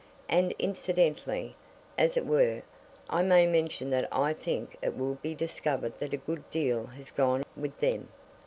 "And incidentally, as it were I may mention that I think it will be discovered that a good deal has gone with them!"